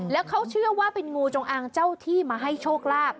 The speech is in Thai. แล้วเขาเชื่อว่าเป็นงูจงอางเจ้าที่มาให้โชคลาภ